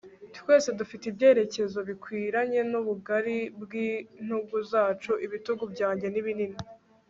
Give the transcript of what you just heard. twese dufite ibyerekezo bikwiranye n'ubugari bw'intugu zacu. ibitugu byanjye ni binini